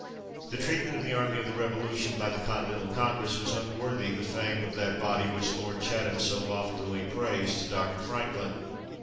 The treatment of the army of the Revolution by the Continental Congress was unworthy the fame of that body which Lord Chatham so loftily praised to Dr. Franklin.